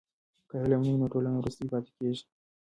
که علم نه وي نو ټولنه وروسته پاتې کېږي.